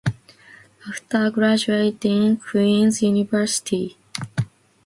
After graduating Queen's University, Malinowski had a solo show at Gallery Bibbiane in Toronto.